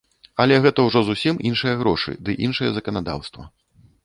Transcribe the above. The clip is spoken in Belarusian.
Але гэта ўжо зусім іншыя грошы ды іншае заканадаўства.